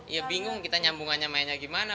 ya bingung kita nyambungannya mainnya gimana